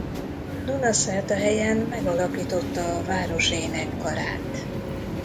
Dunaszerdahelyen megalapította a város énekkarát.